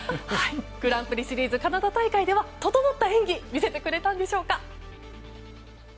グランプリシリーズカナダ大会では整った演技見せてくれたんでしょうか。